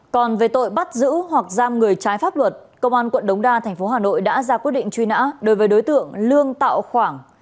công an huyện phúc thọ đã ra quyết định truy nã đối với đối tượng lương tạo khoảng